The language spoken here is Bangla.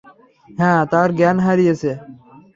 হ্যাঁ, তার জ্ঞান হারিয়েছে।